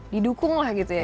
didukung lah gitu ya